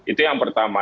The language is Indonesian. itu yang pertama